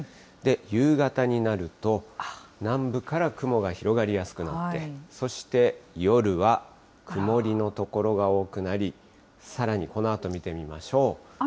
夕方になると、南部から雲が広がりやすくなって、そして夜は曇りの所が多くなり、さらにこのあと見てみましょう。